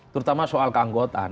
terutama soal keanggotaan